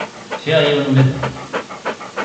Sɛiɣ yiwen ula d nekk.